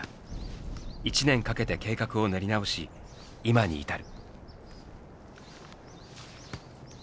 １年かけて計画を練り直し今に至る。